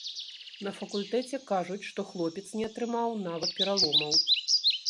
На факультэце кажуць, што хлопец не атрымаў нават пераломаў.